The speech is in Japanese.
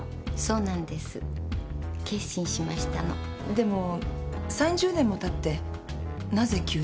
でも３０年もたってなぜ急に？